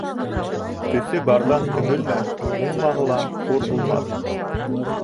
Төҫө барҙан төңөлмә, уңмаһа ла хур булмаҫ.